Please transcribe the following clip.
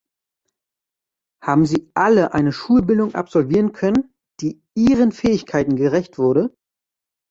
Haben sie alle eine Schulbildung absolvieren können, die ihren Fähigkeiten gerecht wurde?